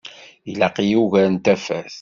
Ilaq-iyi ugar n tafat.